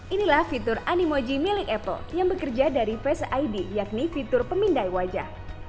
inilah fitur animoji milik apple yang bekerja dari face id yakni fitur pemindai wajah